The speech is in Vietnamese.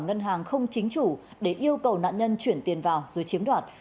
ngân hàng không chính chủ để yêu cầu nạn nhân chuyển tiền vào rồi chiếm đoạt